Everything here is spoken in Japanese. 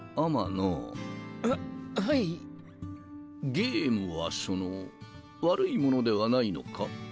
ゲームはその悪いものではないのか？